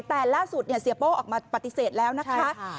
แต่ล่าสุดเสียโป้ออกมาปฏิเสธแล้วนะคะ